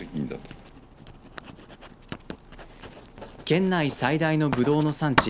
県内最大のぶどうの産地